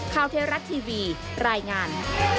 ข้าวเทราะทีวีรายงาน